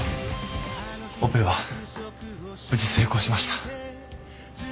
オペは無事成功しました。